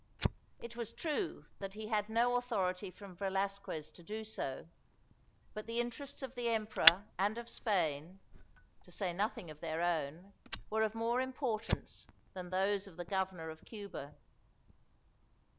It was true that he had no authority from Velasquez to do so, but the interests of the emperor and of Spain to say nothing of their own were of more importance than those of the Governor of Cuba.